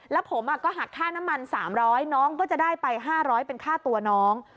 แล้วผมก็หักค่าน้ำมัน๓๐๐น้องก็จะได้ไป๕๐๐เป็นค่าตัวน้อง